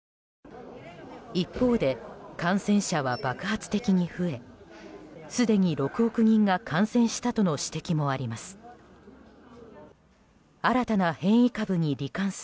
一方で感染者は爆発的に増えすでに６億人が感染したとの指摘もあります。